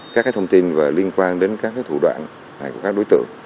các thông tin liên quan đến các thủ đoạn của các đối tượng